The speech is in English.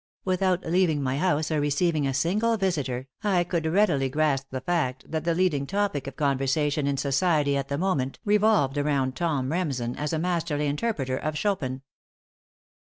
Without leaving my house or receiving a single visitor, I could readily grasp the fact that the leading topic of conversation in society at the moment revolved around Tom Remsen as a masterly interpreter of Chopin.